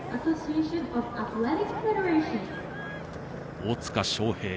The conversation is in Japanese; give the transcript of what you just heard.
大塚祥平